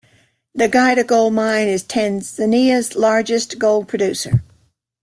The Geita Gold Mine is Tanzania's largest gold producer.